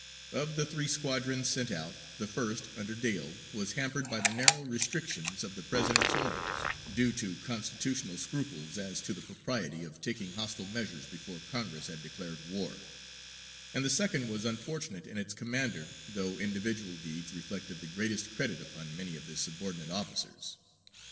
Of the three squadrons sent out, the first, under Dale, was hampered by the narrow restrictions of the President's orders, due to constitutional scruples as to the propriety of taking hostile measures before Congress had declared war; and the second was unfortunate in its commander, though individual deeds reflected the greatest credit upon many of the subordinate officers.